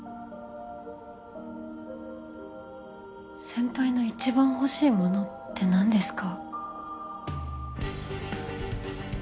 先輩の一番欲しいものって何ですか？